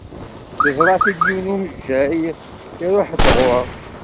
Yeẓra-t-id yiwen umejjay iruḥ-d ɣur-s.